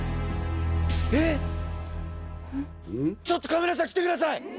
ちょっとカメラさん来てください！